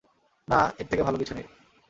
না, এর থেকে ভালো কিছু নেই।